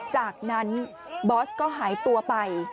จากนั้นบอสก็หายตัวไป